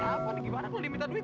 gimana kalau dia minta duit